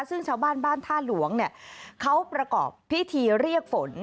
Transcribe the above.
ซึ่งชาวบ้านบ้านท่าหลวงเนี่ยเขาประกอบพิธีเรียกฝน